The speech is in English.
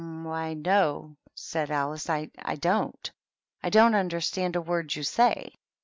"Why, no," said Alice, "I don't. I don't understand a word you say."